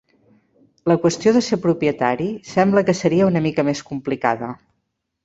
La qüestió de ser propietari sembla que seria una mica més complicada.